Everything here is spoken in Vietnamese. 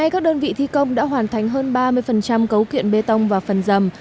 các đơn vị thi công đã hoàn thành hơn ba mươi cấu kiện bê tông và phần dầm